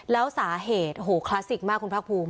แล้วสาเหตุโอ้โหคลาสสิกมากคุณภาคภูมิ